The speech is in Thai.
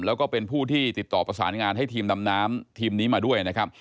แล้วก็เป็นผู้ที่ติดต่อประสานงานให้ทีมดำน้ำทีมนี้มาด้วยนะครับ